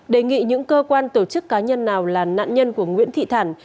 đề nghị những cơ quan tổ chức cá nhân nào là nạn nhân của nguyễn thị thảo